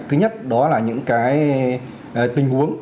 thứ nhất đó là những cái tình huống